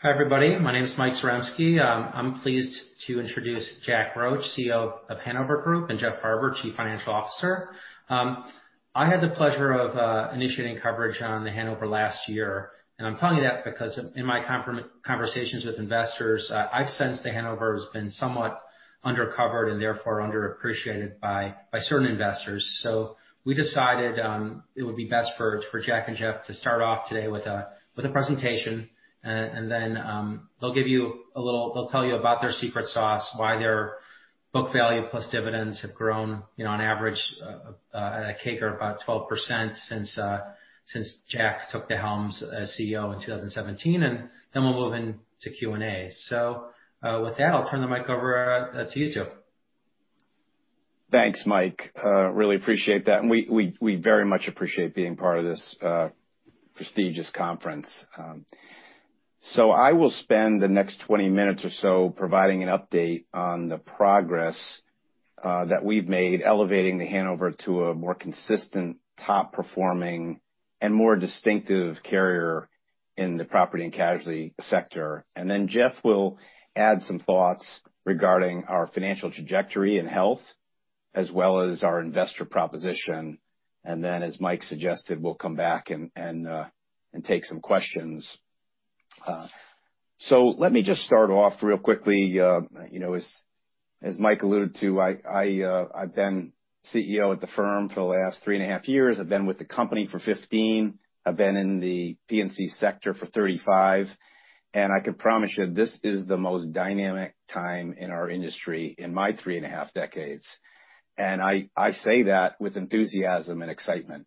Hi, everybody. My name is Mike Zaremski. I'm pleased to introduce Jack Roche, CEO of The Hanover Insurance Group, and Jeff Farber, Chief Financial Officer. I had the pleasure of initiating coverage on The Hanover last year. I'm telling you that because in my conversations with investors, I've sensed The Hanover has been somewhat under-covered and therefore underappreciated by certain investors. We decided it would be best for Jack and Jeff to start off today with a presentation. Then they'll tell you about their secret sauce, why their book value plus dividends have grown on average, at a CAGR of about 12% since Jack took the helm as CEO in 2017. Then we'll move into Q&A. With that, I'll turn the mic over to you two. Thanks, Mike. Really appreciate that. We very much appreciate being part of this prestigious conference. I will spend the next 20 minutes or so providing an update on the progress that we've made elevating The Hanover to a more consistent, top-performing, and more distinctive carrier in the property and casualty sector. Then Jeff will add some thoughts regarding our financial trajectory and health, as well as our investor proposition. Then, as Mike suggested, we'll come back and take some questions. Let me just start off real quickly. As Mike alluded to, I've been CEO at the firm for the last three and a half years. I've been with the company for 15. I've been in the P&C sector for 35. I can promise you this is the most dynamic time in our industry in my three and a half decades. I say that with enthusiasm and excitement.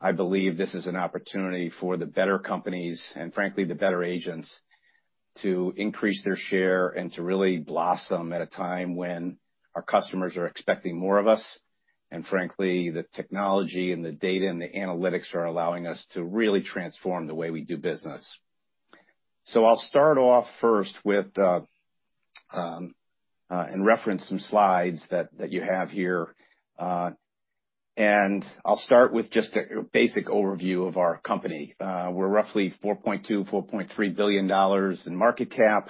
I believe this is an opportunity for the better companies and frankly, the better agents to increase their share and to really blossom at a time when our customers are expecting more of us. Frankly, the technology and the data and the analytics are allowing us to really transform the way we do business. I'll start off first with and reference some slides that you have here. I'll start with just a basic overview of our company. We're roughly $4.2 billion-$4.3 billion in market cap,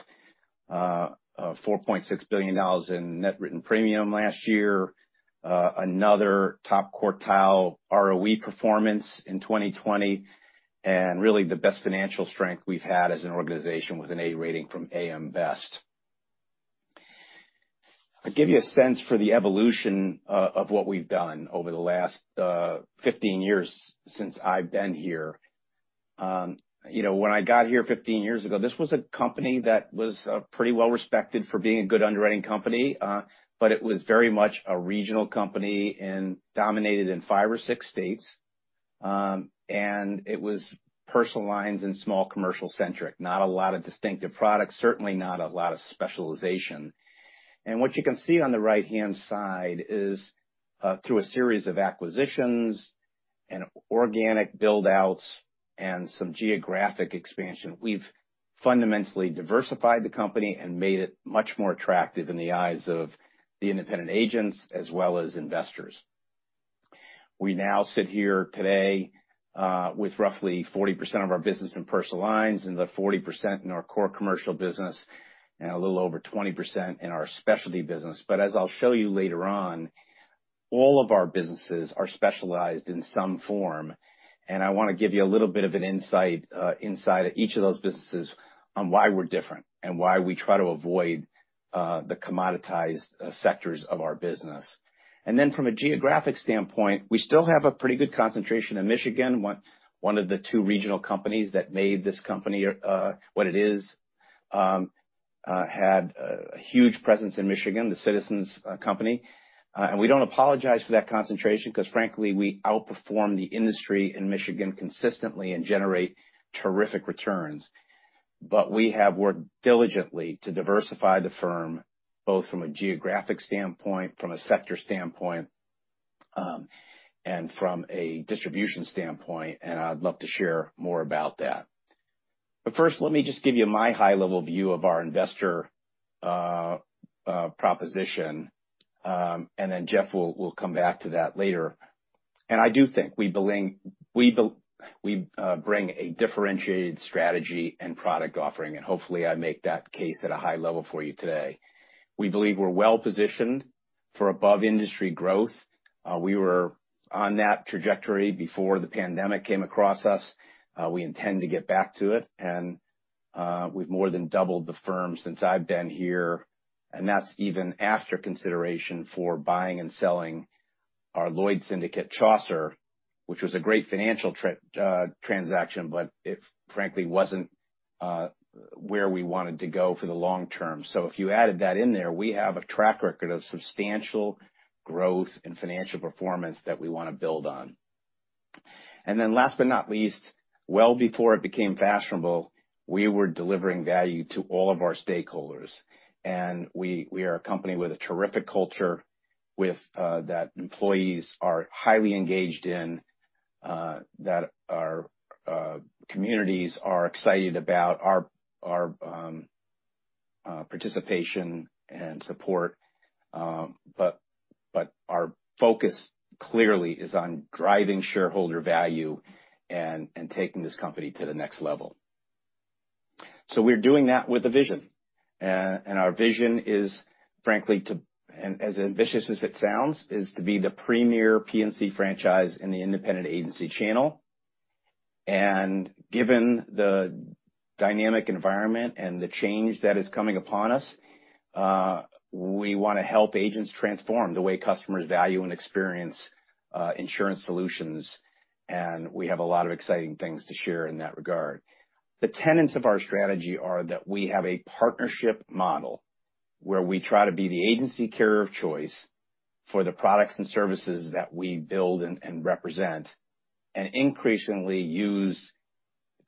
$4.6 billion in net written premium last year. Another top quartile ROE performance in 2020, and really the best financial strength we've had as an organization with an A rating from AM Best. I'll give you a sense for the evolution of what we've done over the last 15 years since I've been here. When I got here 15 years ago, this was a company that was pretty well respected for being a good underwriting company. It was very much a regional company and dominated in five or six states. It was personal lines and small commercial centric, not a lot of distinctive products, certainly not a lot of specialization. What you can see on the right-hand side is through a series of acquisitions and organic build-outs and some geographic expansion, we've fundamentally diversified the company and made it much more attractive in the eyes of the independent agents as well as investors. We now sit here today with roughly 40% of our business in personal lines and the 40% in our core commercial business and a little over 20% in our specialty business. As I'll show you later on, all of our businesses are specialized in some form. I want to give you a little bit of an insight inside of each of those businesses on why we're different and why we try to avoid the commoditized sectors of our business. From a geographic standpoint, we still have a pretty good concentration in Michigan. One of the two regional companies that made this company what it is had a huge presence in Michigan, the Citizens company. We don't apologize for that concentration because frankly, we outperform the industry in Michigan consistently and generate terrific returns. We have worked diligently to diversify the firm, both from a geographic standpoint, from a sector standpoint, and from a distribution standpoint, and I'd love to share more about that. First, let me just give you my high-level view of our investor proposition, and then Jeff will come back to that later. I do think we bring a differentiated strategy and product offering. Hopefully I make that case at a high level for you today. We believe we're well-positioned for above-industry growth. We were on that trajectory before the pandemic came across us. We intend to get back to it. We've more than doubled the firm since I've been here, and that's even after consideration for buying and selling our Lloyd's Syndicate, Chaucer, which was a great financial transaction, but it frankly wasn't where we wanted to go for the long term. If you added that in there, we have a track record of substantial growth and financial performance that we want to build on. Last but not least, well before it became fashionable, we were delivering value to all of our stakeholders. We are a company with a terrific culture that employees are highly engaged in, that our communities are excited about our participation and support. Our focus clearly is on driving shareholder value and taking this company to the next level. We're doing that with a vision. Our vision is frankly, as ambitious as it sounds, is to be the premier P&C franchise in the independent agency channel. Given the dynamic environment and the change that is coming upon us, we want to help agents transform the way customers value and experience insurance solutions, and we have a lot of exciting things to share in that regard. The tenets of our strategy are that we have a partnership model where we try to be the agency carrier of choice for the products and services that we build and represent. Increasingly use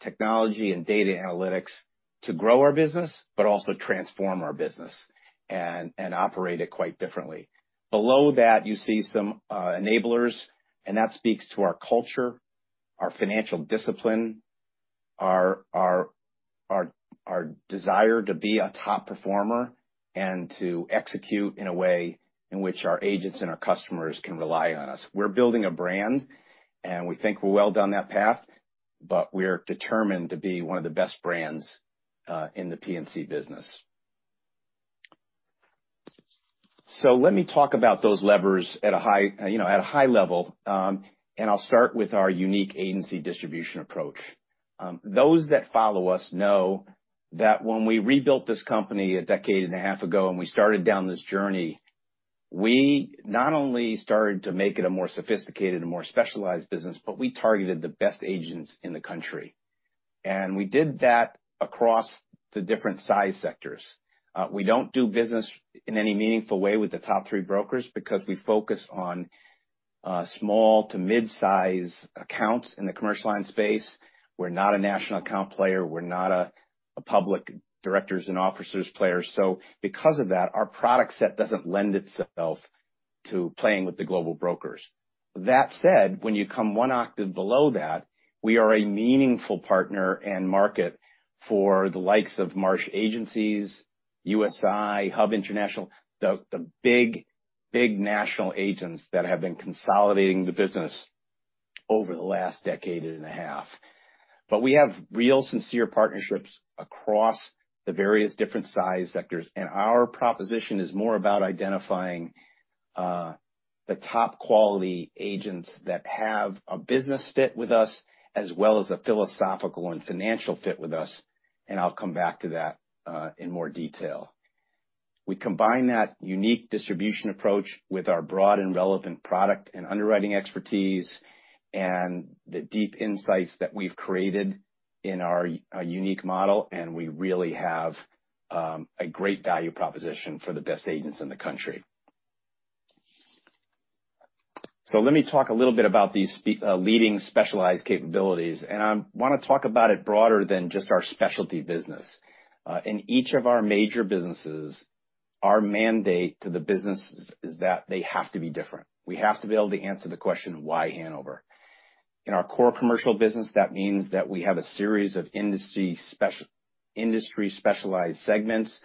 technology and data analytics to grow our business, also transform our business and operate it quite differently. Below that, you see some enablers. That speaks to our culture, our financial discipline, our desire to be a top performer and to execute in a way in which our agents and our customers can rely on us. We're building a brand. We think we're well down that path. We're determined to be one of the best brands in the P&C business. Let me talk about those levers at a high level, and I'll start with our unique agency distribution approach. Those that follow us know that when we rebuilt this company a decade and a half ago, we started down this journey, we not only started to make it a more sophisticated and more specialized business, we targeted the best agents in the country. We did that across the different size sectors. We don't do business in any meaningful way with the top three brokers because we focus on small to mid-size accounts in the commercial line space. We're not a national account player. We're not a public directors and officers player. Because of that, our product set doesn't lend itself to playing with the global brokers. That said, when you come one octave below that, we are a meaningful partner and market for the likes of Marsh agencies, USI, Hub International, the big national agents that have been consolidating the business over the last decade and a half. We have real sincere partnerships across the various different size sectors, our proposition is more about identifying the top quality agents that have a business fit with us, as well as a philosophical and financial fit with us, I'll come back to that in more detail. We combine that unique distribution approach with our broad and relevant product and underwriting expertise and the deep insights that we've created in our unique model, we really have a great value proposition for the best agents in the country. Let me talk a little bit about these leading specialized capabilities, I want to talk about it broader than just our specialty business. In each of our major businesses, our mandate to the business is that they have to be different. We have to be able to answer the question, why Hanover? In our core commercial business, that means that we have a series of industry-specialized segments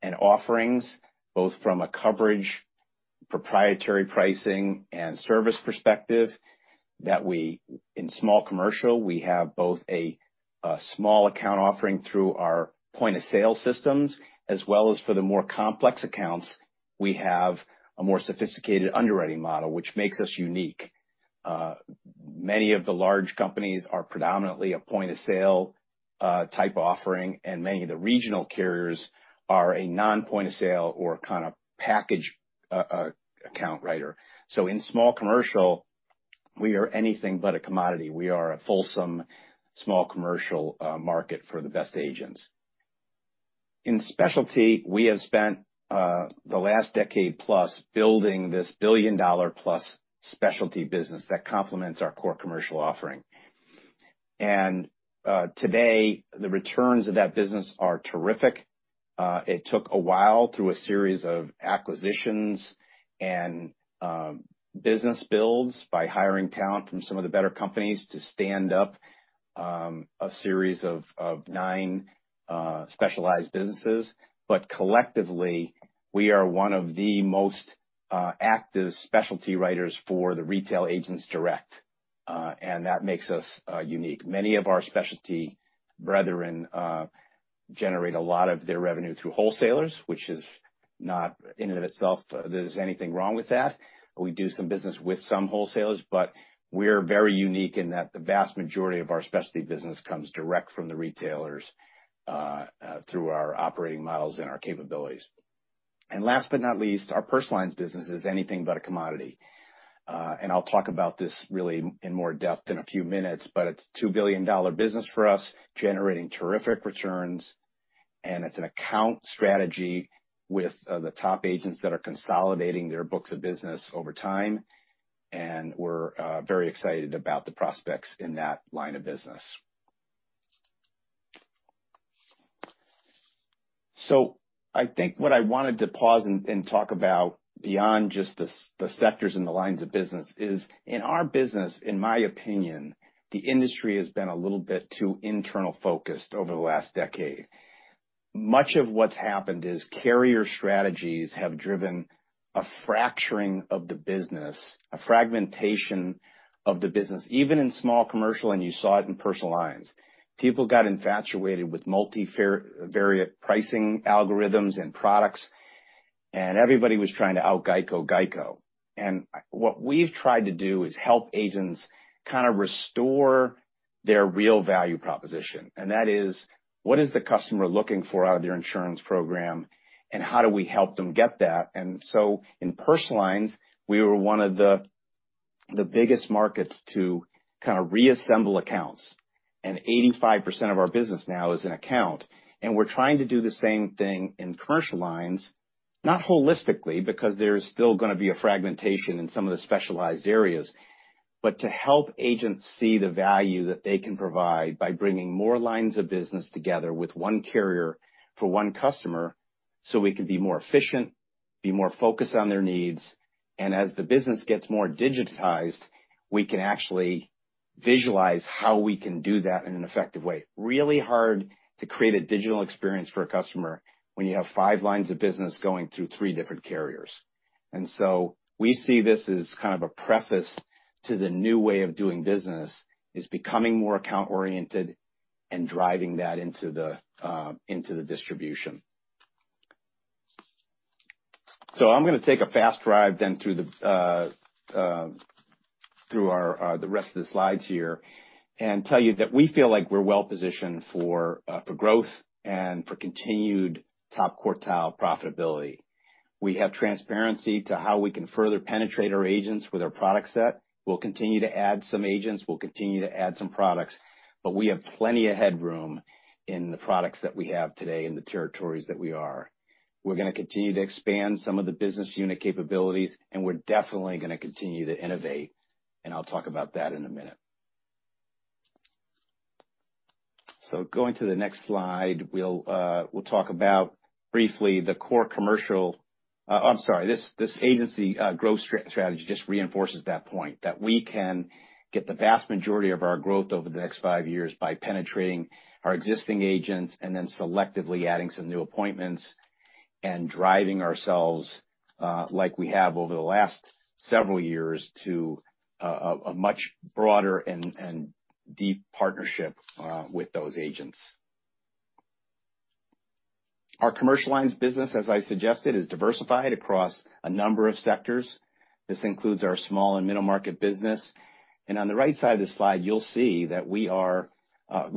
and offerings, both from a coverage, proprietary pricing, and service perspective, in small commercial, we have both a small account offering through our point-of-sale systems, as well as for the more complex accounts, we have a more sophisticated underwriting model, which makes us unique. Many of the large companies are predominantly a point-of-sale type offering, many of the regional carriers are a non-point of sale or package account writer. In small commercial, we are anything but a commodity. We are a fulsome small commercial market for the best agents. In specialty, we have spent the last decade plus building this billion-dollar plus specialty business that complements our core commercial offering. Today, the returns of that business are terrific. It took a while through a series of acquisitions and business builds by hiring talent from some of the better companies to stand up a series of nine specialized businesses. Collectively, we are one of the most active specialty writers for the retail agents direct, that makes us unique. Many of our specialty brethren generate a lot of their revenue through wholesalers, which is not in of itself there's anything wrong with that. We do some business with some wholesalers, but we're very unique in that the vast majority of our specialty business comes direct from the retailers through our operating models and our capabilities. Last but not least, our personal lines business is anything but a commodity. I'll talk about this really in more depth in a few minutes, but it's a $2 billion business for us, generating terrific returns, and it's an account strategy with the top agents that are consolidating their books of business over time, and we're very excited about the prospects in that line of business. I think what I wanted to pause and talk about beyond just the sectors and the lines of business is in our business, in my opinion, the industry has been a little bit too internal focused over the last decade. Much of what's happened is carrier strategies have driven a fracturing of the business, a fragmentation of the business, even in small commercial. You saw it in personal lines. People got infatuated with multivariate pricing algorithms and products. Everybody was trying to out-GEICO GEICO. What we've tried to do is help agents restore their real value proposition, and that is: what is the customer looking for out of their insurance program? How do we help them get that? In personal lines, we were one of the biggest markets to reassemble accounts. 85% of our business now is an account. We're trying to do the same thing in commercial lines, not holistically, because there is still going to be a fragmentation in some of the specialized areas, but to help agents see the value that they can provide by bringing more lines of business together with one carrier for one customer so we can be more efficient, be more focused on their needs. As the business gets more digitized, we can actually visualize how we can do that in an effective way. Really hard to create a digital experience for a customer when you have five lines of business going through three different carriers. We see this as a preface to the new way of doing business is becoming more account-oriented and driving that into the distribution. I'm going to take a fast drive then through the rest of the slides here and tell you that we feel like we're well-positioned for growth and for continued top quartile profitability. We have transparency to how we can further penetrate our agents with our product set. We'll continue to add some agents. We'll continue to add some products. We have plenty of headroom in the products that we have today in the territories that we are. We're going to continue to expand some of the business unit capabilities. We're definitely going to continue to innovate. I'll talk about that in a minute. Going to the next slide, we'll talk about briefly. I'm sorry, this agency growth strategy just reinforces that point, that we can get the vast majority of our growth over the next five years by penetrating our existing agents and then selectively adding some new appointments and driving ourselves, like we have over the last several years, to a much broader and deep partnership with those agents. Our commercial lines business, as I suggested, is diversified across a number of sectors. This includes our small and middle-market business. On the right side of the slide, you'll see that we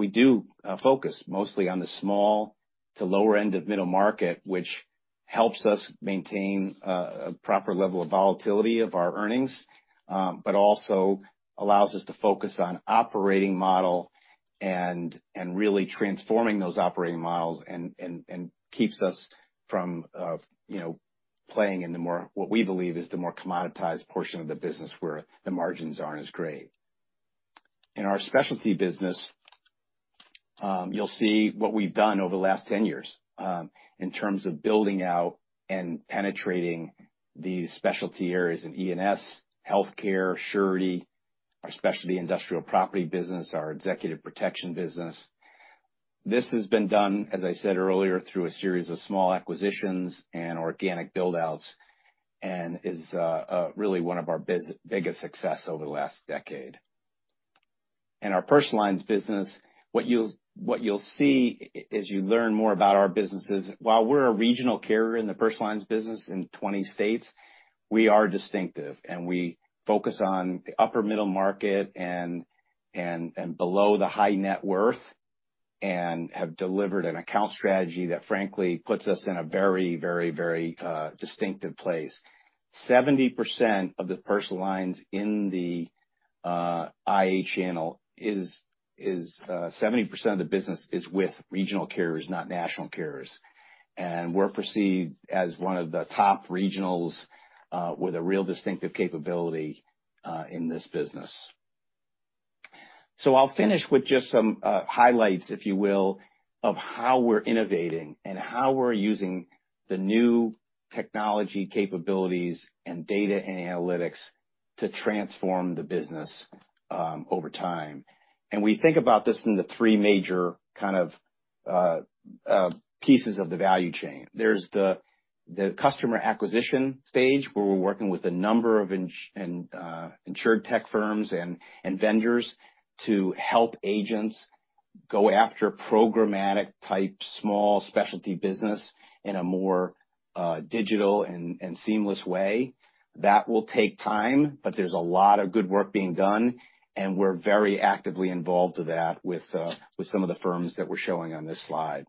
do focus mostly on the small to lower end of middle market, which helps us maintain a proper level of volatility of our earnings, but also allows us to focus on operating model and really transforming those operating models and keeps us from playing in what we believe is the more commoditized portion of the business where the margins aren't as great. In our specialty business, you'll see what we've done over the last 10 years in terms of building out and penetrating these specialty areas of E&S, healthcare, surety, our specialty industrial property business, our executive protection business. This has been done, as I said earlier, through a series of small acquisitions and organic build-outs, and is really one of our biggest success over the last decade. In our personal lines business, what you'll see as you learn more about our businesses, while we're a regional carrier in the personal lines business in 20 states, we are distinctive and we focus on the upper middle market and below the high net worth, and have delivered an account strategy that frankly puts us in a very distinctive place. 70% of the business is with regional carriers, not national carriers. We're perceived as one of the top regionals with a real distinctive capability in this business. I'll finish with just some highlights, if you will, of how we're innovating and how we're using the new technology capabilities and data analytics to transform the business over time. We think about this in the three major kind of pieces of the value chain. There's the customer acquisition stage, where we're working with a number of insurtech firms and vendors to help agents go after programmatic type small specialty business in a more digital and seamless way. That will take time, but there's a lot of good work being done, and we're very actively involved with that, with some of the firms that we're showing on this slide.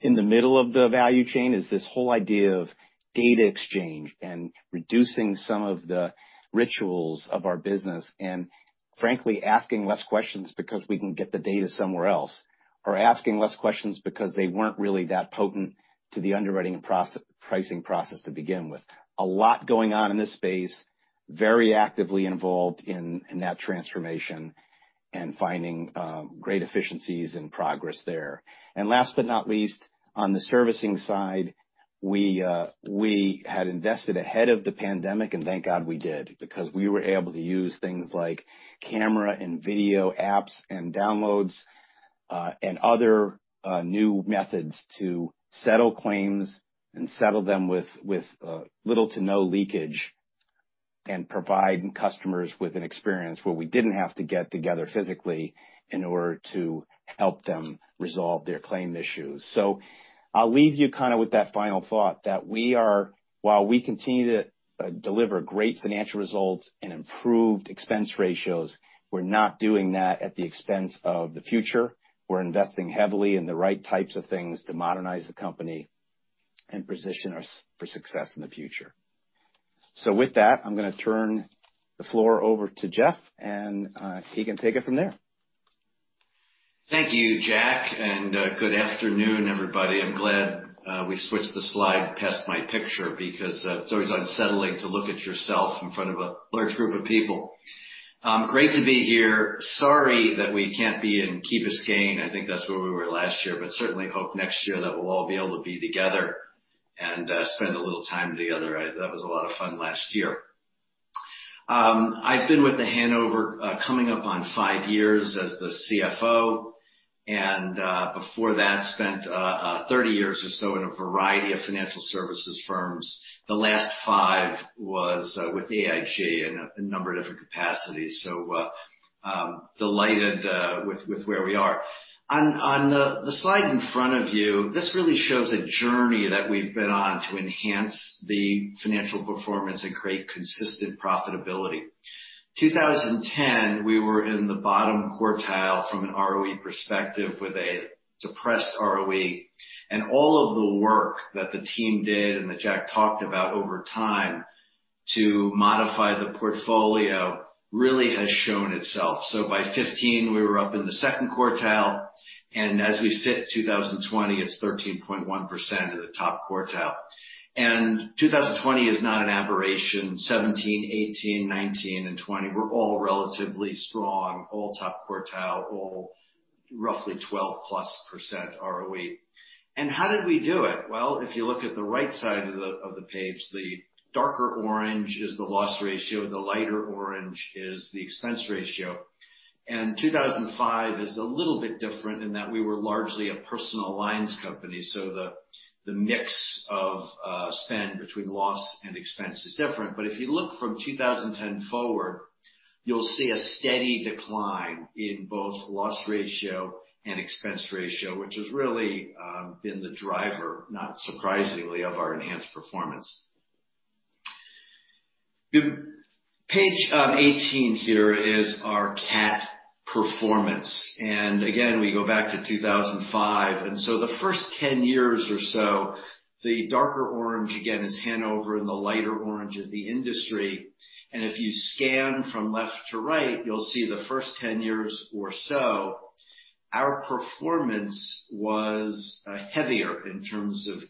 In the middle of the value chain is this whole idea of data exchange and reducing some of the rituals of our business and frankly, asking less questions because we can get the data somewhere else, or asking less questions because they weren't really that potent to the underwriting and pricing process to begin with. A lot going on in this space. Very actively involved in that transformation and finding great efficiencies and progress there. Last but not least, on the servicing side. We had invested ahead of the pandemic, and thank God we did, because we were able to use things like camera and video apps and downloads, and other new methods to settle claims and settle them with little to no leakage, and provide customers with an experience where we didn't have to get together physically in order to help them resolve their claim issues. I'll leave you with that final thought, that while we continue to deliver great financial results and improved expense ratios, we're not doing that at the expense of the future. We're investing heavily in the right types of things to modernize the company and position us for success in the future. With that, I'm going to turn the floor over to Jeff, and he can take it from there. Thank you, Jack. Good afternoon, everybody. I'm glad we switched the slide past my picture, because it's always unsettling to look at yourself in front of a large group of people. Great to be here. Sorry that we can't be in Key Biscayne. I think that's where we were last year, but certainly hope next year that we'll all be able to be together and spend a little time together. That was a lot of fun last year. I've been with The Hanover coming up on 5 years as the CFO, and before that, spent 30 years or so in a variety of financial services firms. The last 5 was with AIG in a number of different capacities. Delighted with where we are. On the slide in front of you, this really shows a journey that we've been on to enhance the financial performance and create consistent profitability. 2010, we were in the bottom quartile from an ROE perspective with a depressed ROE. All of the work that the team did and that Jack talked about over time to modify the portfolio, really has shown itself. By 2015, we were up in the second quartile, and as we sit 2020, it's 13.1% in the top quartile. 2020 is not an aberration. 2017, 2018, 2019, and 2020 were all relatively strong, all top quartile, all roughly 12%+ ROE. How did we do it? Well, if you look at the right side of the page, the darker orange is the loss ratio, the lighter orange is the expense ratio. 2005 is a little bit different in that we were largely a personal lines company, so the mix of spend between loss and expense is different. If you look from 2010 forward, you'll see a steady decline in both loss ratio and expense ratio, which has really been the driver, not surprisingly, of our enhanced performance. Page 18 here is our cat performance. Again, we go back to 2005. The first 10 years or so, the darker orange, again, is Hanover and the lighter orange is the industry. If you scan from left to right, you'll see the first 10 years or so, our performance was heavier in terms of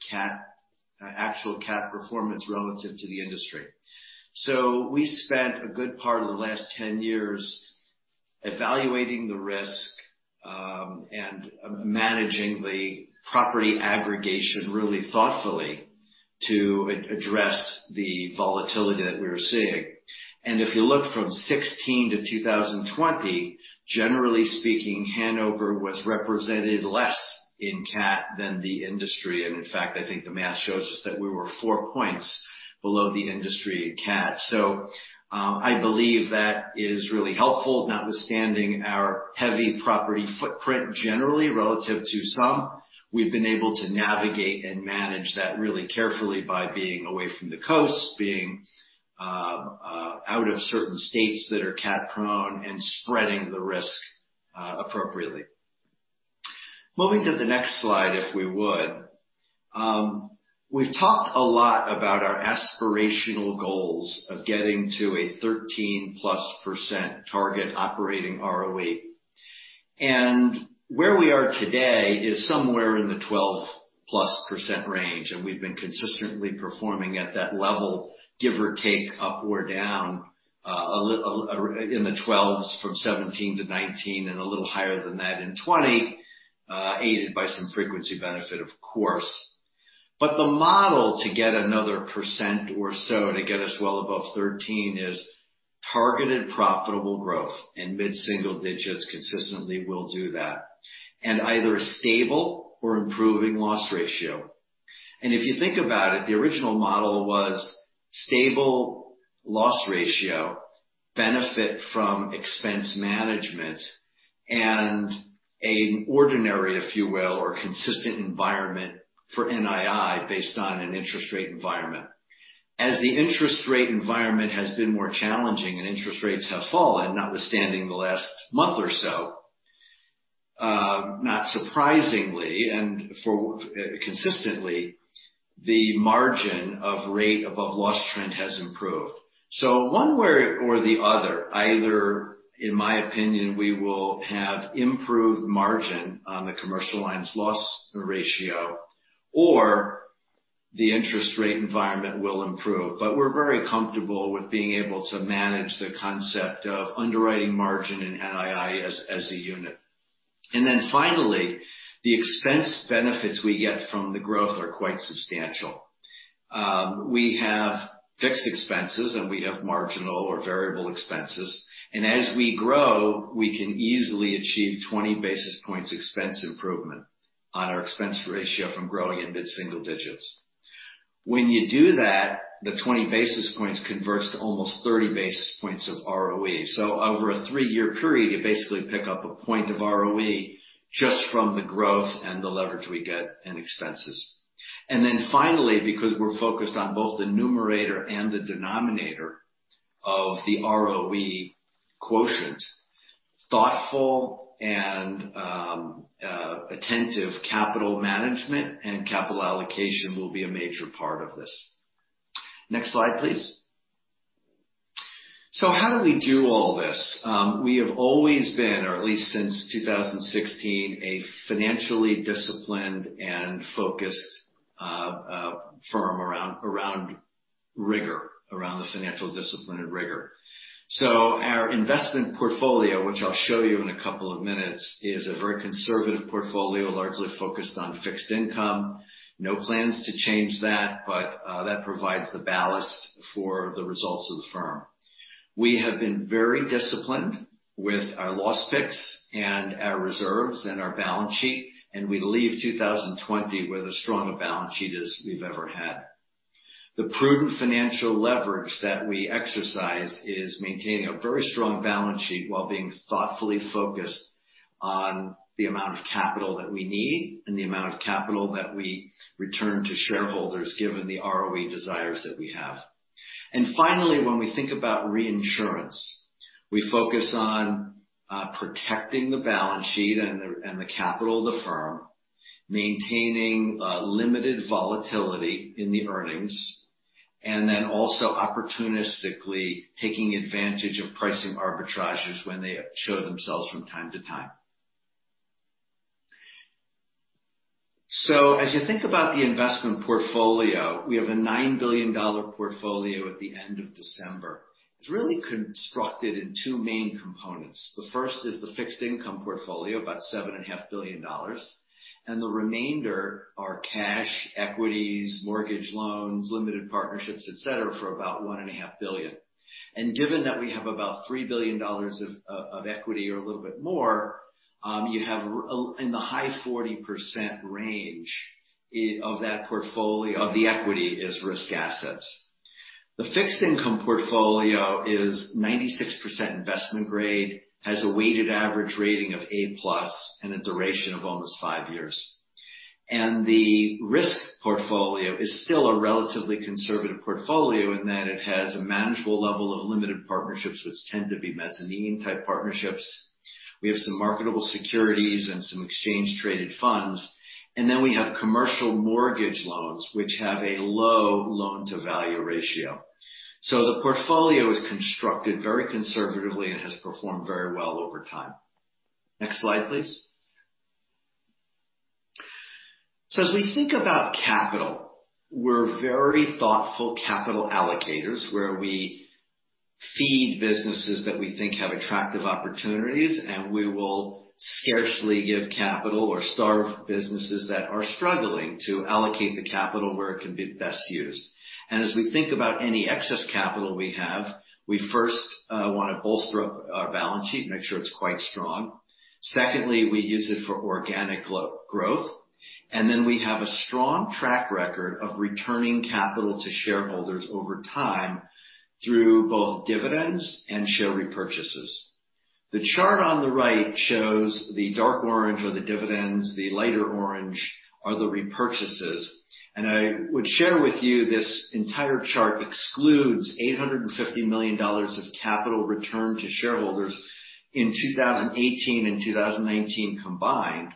actual cat performance relative to the industry. We spent a good part of the last 10 years evaluating the risk, and managing the property aggregation really thoughtfully to address the volatility that we were seeing. If you look from 2016 to 2020, generally speaking, Hanover was represented less in cat than the industry. In fact, I think the math shows us that we were four points below the industry in cat. I believe that is really helpful, notwithstanding our heavy property footprint, generally, relative to some. We've been able to navigate and manage that really carefully by being away from the coast, being out of certain states that are cat-prone and spreading the risk appropriately. Moving to the next slide, if we would. We've talked a lot about our aspirational goals of getting to a 13+% target operating ROE. Where we are today is somewhere in the 12+% range, and we've been consistently performing at that level, give or take, up or down, in the 12s from 2017 to 2019, and a little higher than that in 2020, aided by some frequency benefit, of course. The model to get another % or so to get us well above 13 is targeted profitable growth in mid-single digits. Consistently, we'll do that. Either a stable or improving loss ratio. If you think about it, the original model was stable loss ratio, benefit from expense management, and an ordinary, if you will, or consistent environment for NII based on an interest rate environment. As the interest rate environment has been more challenging and interest rates have fallen, notwithstanding the last month or so, not surprisingly and consistently, the margin of rate above loss trend has improved. One way or the other, either, in my opinion, we will have improved margin on the commercial lines loss ratio, or the interest rate environment will improve. We're very comfortable with being able to manage the concept of underwriting margin and NII as a unit. Finally, the expense benefits we get from the growth are quite substantial. We have fixed expenses and we have marginal or variable expenses. As we grow, we can easily achieve 20 basis points expense improvement on our expense ratio from growing in mid-single digits. When you do that, the 20 basis points converts to almost 30 basis points of ROE. Over a three-year period, you basically pick up a point of ROE just from the growth and the leverage we get in expenses. Finally, because we're focused on both the numerator and the denominator of the ROE quotient, thoughtful and attentive capital management and capital allocation will be a major part of this. Next slide, please. How do we do all this? We have always been, or at least since 2016, a financially disciplined and focused firm around rigor, around the financial discipline and rigor. Our investment portfolio, which I'll show you in a couple of minutes, is a very conservative portfolio, largely focused on fixed income. No plans to change that, but that provides the ballast for the results of the firm. We have been very disciplined with our loss picks and our reserves and our balance sheet, and we leave 2020 with as strong a balance sheet as we've ever had. The prudent financial leverage that we exercise is maintaining a very strong balance sheet while being thoughtfully focused on the amount of capital that we need and the amount of capital that we return to shareholders, given the ROE desires that we have. Finally, when we think about reinsurance, we focus on protecting the balance sheet and the capital of the firm, maintaining limited volatility in the earnings, and then also opportunistically taking advantage of pricing arbitrages when they show themselves from time to time. As you think about the investment portfolio, we have a $9 billion portfolio at the end of December. It's really constructed in two main components. The first is the fixed income portfolio, about $7.5 billion. The remainder are cash, equities, mortgage loans, limited partnerships, et cetera, for about $1.5 billion. Given that we have about $3 billion of equity or a little bit more, you have in the high 40% range of the equity is risk assets. The fixed income portfolio is 96% investment grade, has a weighted average rating of A+, and a duration of almost five years. The risk portfolio is still a relatively conservative portfolio in that it has a manageable level of limited partnerships, which tend to be mezzanine type partnerships. We have some marketable securities and some exchange traded funds, and then we have commercial mortgage loans, which have a low loan-to-value ratio. The portfolio is constructed very conservatively and has performed very well over time. Next slide, please. As we think about capital, we're very thoughtful capital allocators, where we feed businesses that we think have attractive opportunities, and we will scarcely give capital or starve businesses that are struggling to allocate the capital where it can be best used. As we think about any excess capital we have, we first want to bolster up our balance sheet, make sure it's quite strong. Secondly, we use it for organic growth. We have a strong track record of returning capital to shareholders over time through both dividends and share repurchases. The chart on the right shows the dark orange are the dividends, the lighter orange are the repurchases. I would share with you this entire chart excludes $850 million of capital returned to shareholders in 2018 and 2019 combined,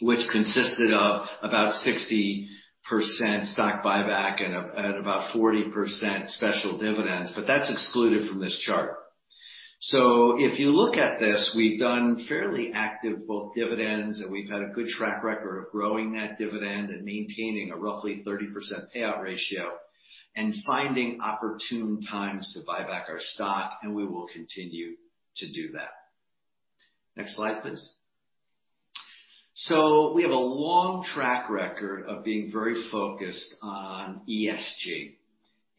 which consisted of about 60% stock buyback and about 40% special dividends. That's excluded from this chart. If you look at this, we've done fairly active both dividends and we've had a good track record of growing that dividend and maintaining a roughly 30% payout ratio and finding opportune times to buy back our stock and we will continue to do that. Next slide, please. We have a long track record of being very focused on ESG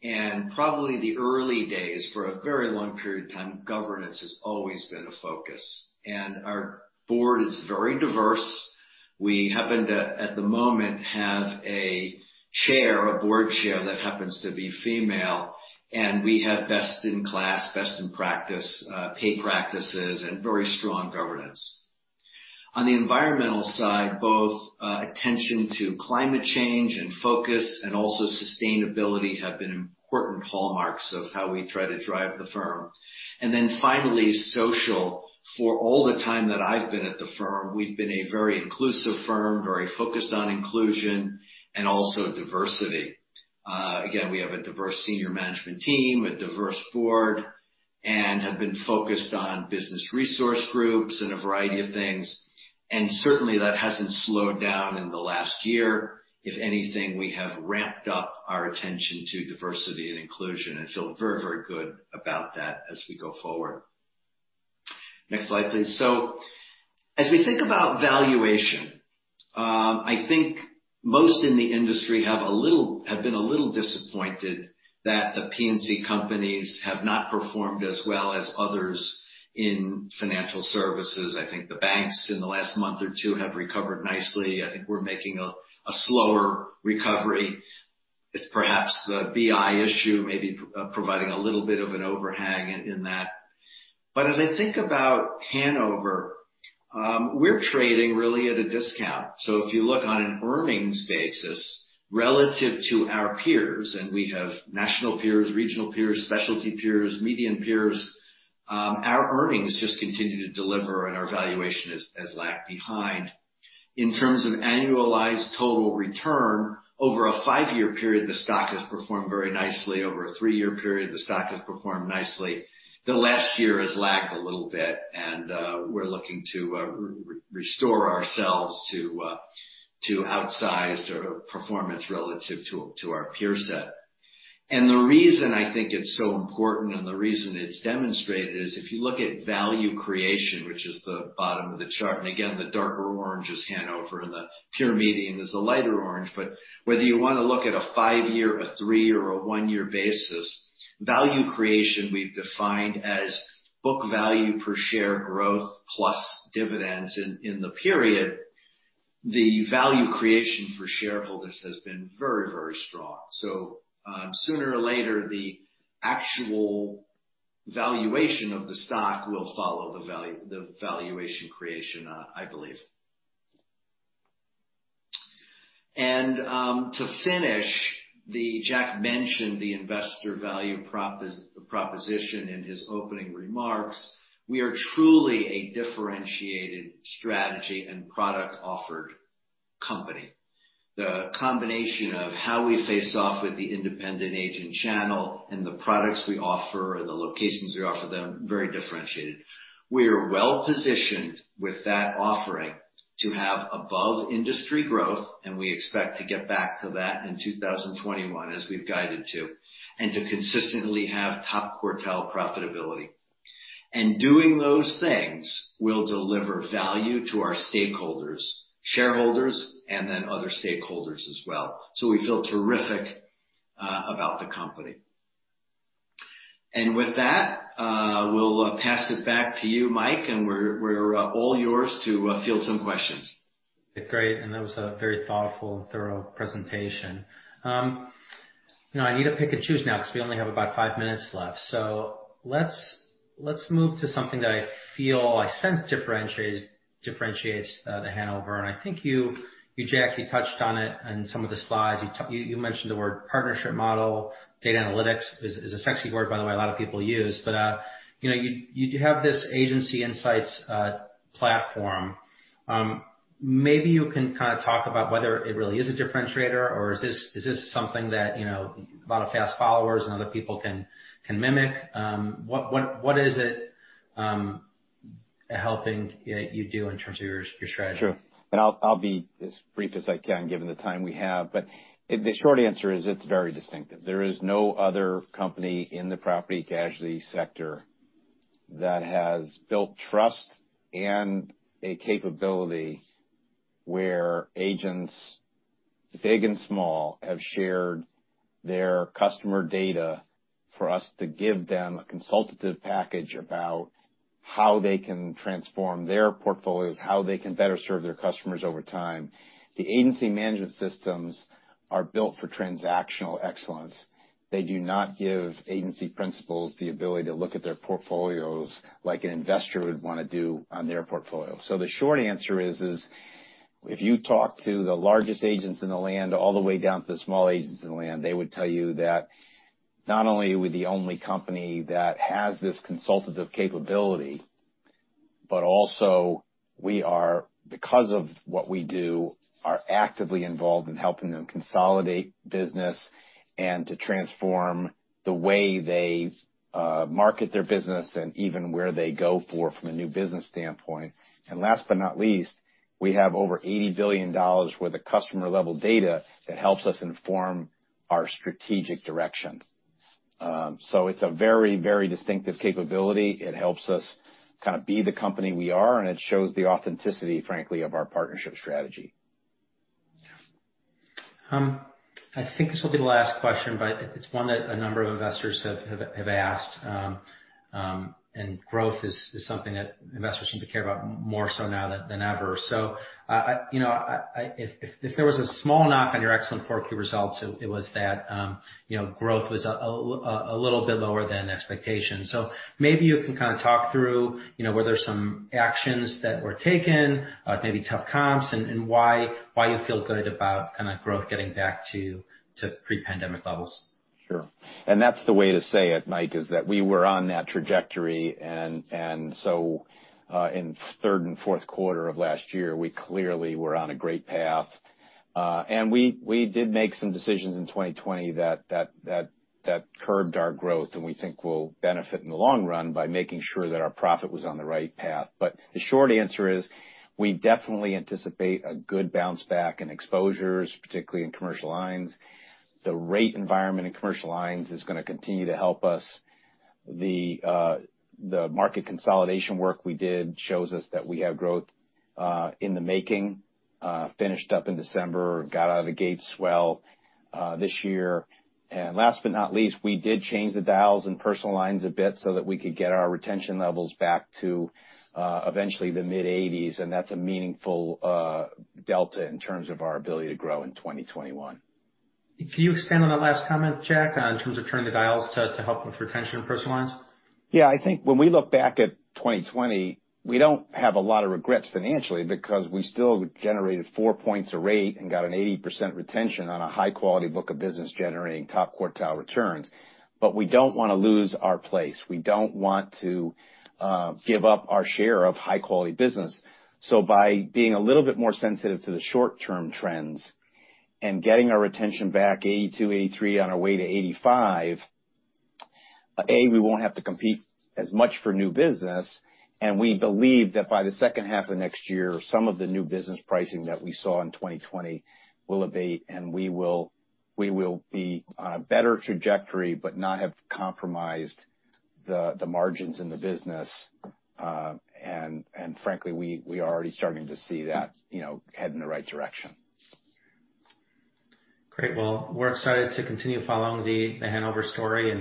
and probably the early days for a very long period of time governance has always been a focus and our board is very diverse. We happen to at the moment have a chair, a board chair that happens to be female and we have best in class, best in practice, pay practices and very strong governance. On the environmental side, both attention to climate change and focus and also sustainability have been important hallmarks of how we try to drive the firm. Finally, social. For all the time that I've been at the firm, we've been a very inclusive firm, very focused on inclusion and also diversity. Again, we have a diverse senior management team, a diverse board and have been focused on business resource groups and a variety of things and certainly that hasn't slowed down in the last year. If anything, we have ramped up our attention to diversity and inclusion and feel very good about that as we go forward. Next slide, please. As we think about valuation, I think most in the industry have been a little disappointed that the P&C companies have not performed as well as others in financial services. I think the banks in the last month or two have recovered nicely. I think we're making a slower recovery. It's perhaps the BI issue may be providing a little bit of an overhang in that. As I think about Hanover, we're trading really at a discount. If you look on an earnings basis relative to our peers, and we have national peers, regional peers, specialty peers, median peers, our earnings just continue to deliver, and our valuation has lagged behind. In terms of annualized total return over a 5-year period, the stock has performed very nicely. Over a 3-year period, the stock has performed nicely. The last year has lagged a little bit, and we're looking to restore ourselves to outsized performance relative to our peer set. The reason I think it's so important, and the reason it's demonstrated is if you look at value creation, which is the bottom of the chart, and again, the darker orange is Hanover and the peer median is the lighter orange. Whether you want to look at a 5-year, a 3, or a 1-year basis, value creation we've defined as book value per share growth plus dividends in the period. The value creation for shareholders has been very strong. Sooner or later, the actual valuation of the stock will follow the valuation creation, I believe. To finish, Jack mentioned the investor value proposition in his opening remarks. We are truly a differentiated strategy and product offered company. The combination of how we face off with the independent agent channel and the products we offer and the locations we offer them, very differentiated. We are well-positioned with that offering to have above-industry growth, and we expect to get back to that in 2021, as we've guided to, and to consistently have top-quartile profitability. Doing those things will deliver value to our stakeholders, shareholders, and then other stakeholders as well. We feel terrific about the company. With that, we'll pass it back to you, Mike, and we're all yours to field some questions. That was a very thoughtful and thorough presentation. I need to pick and choose now because we only have about five minutes left. Let's move to something that I sense differentiates The Hanover. I think you, Jack, you touched on it in some of the slides. You mentioned the word partnership model. Data analytics is a sexy word, by the way, a lot of people use. You have this agency insights platform. Maybe you can kind of talk about whether it really is a differentiator or is this something that a lot of fast followers and other people can mimic? What is it helping you do in terms of your strategy? Sure. I'll be as brief as I can, given the time we have. The short answer is it's very distinctive. There is no other company in the property casualty sector that has built trust and a capability where agents, big and small, have shared their customer data for us to give them a consultative package about how they can transform their portfolios, how they can better serve their customers over time. The agency management systems are built for transactional excellence. They do not give agency principals the ability to look at their portfolios like an investor would want to do on their portfolio. The short answer is, if you talk to the largest agents in the land all the way down to the small agents in the land, they would tell you that not only are we the only company that has this consultative capability, but also we are, because of what we do, are actively involved in helping them consolidate business and to transform the way they market their business and even where they go for from a new business standpoint. Last but not least, we have over $80 billion worth of customer-level data that helps us inform our strategic direction. It's a very distinctive capability. It helps us kind of be the company we are, and it shows the authenticity, frankly, of our partnership strategy. I think this will be the last question, but it's one that a number of investors have asked. Growth is something that investors seem to care about more so now than ever. If there was a small knock on your excellent 4Q results, it was that growth was a little bit lower than expectations. Maybe you can kind of talk through whether there's some actions that were taken, maybe tough comps, and why you feel good about growth getting back to pre-pandemic levels. Sure. That's the way to say it, Mike, is that we were on that trajectory. In third and fourth quarter of last year, we clearly were on a great path. We did make some decisions in 2020 that curbed our growth, and we think we'll benefit in the long run by making sure that our profit was on the right path. The short answer is, we definitely anticipate a good bounce back in exposures, particularly in commercial lines. The rate environment in commercial lines is going to continue to help us. The market consolidation work we did shows us that we have growth in the making. Finished up in December, got out of the gate swell this year. Last but not least, we did change the dials in personal lines a bit so that we could get our retention levels back to eventually the mid-80s, and that's a meaningful delta in terms of our ability to grow in 2021. Can you expand on that last comment, Jack, in terms of turning the dials to help with retention in personal lines? Yeah. I think when we look back at 2020, we don't have a lot of regrets financially because we still generated four points a rate and got an 80% retention on a high-quality book of business generating top-quartile returns. We don't want to lose our place. We don't want to give up our share of high-quality business. By being a little bit more sensitive to the short-term trends and getting our retention back, 82, 83, on our way to 85, we won't have to compete as much for new business. We believe that by the second half of next year, some of the new business pricing that we saw in 2020 will abate, and we will be on a better trajectory but not have compromised the margins in the business. Frankly, we are already starting to see that head in the right direction. Great. Well, we're excited to continue following The Hanover story.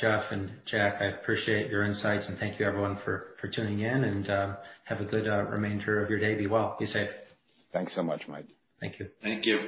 Jeff and Jack, I appreciate your insights and thank you everyone for tuning in, and have a good remainder of your day. Be well, be safe. Thanks so much, Mike. Thank you. Thank you.